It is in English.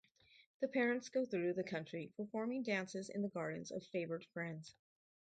The parents go through the country, performing dances in the gardens of favored friends.